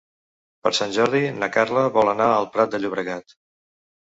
Per Sant Jordi na Carla vol anar al Prat de Llobregat.